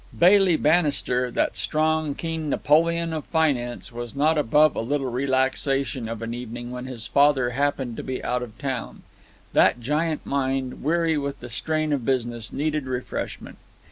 Bailey Bannister, that strong, keen Napoleon of finance, was not above a little relaxation of an evening when his father happened to be out of town. That giant mind, weary with the strain of business, needed refreshment.